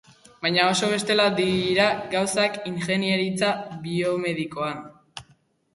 Baina oso bestela dira gauzak ingeniaritza biomedikoan.